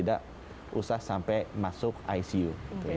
dan tidak usah sampai masuk icu